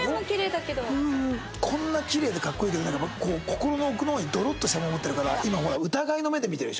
こんなキレイで格好いいけどなんかもう心の奥の方にドロッとしたもの持ってるから今疑いの目で見てるでしょ？